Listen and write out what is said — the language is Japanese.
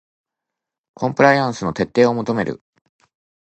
コンプライアンスの徹底を求める